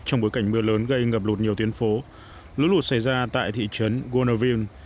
trong bối cảnh mưa lớn gây ngập lụt nhiều tuyến phố lũ lụt xảy ra tại thị trấn gonaving